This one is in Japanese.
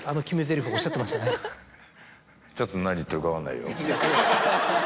ちょっと何言ってるか分かんないよ。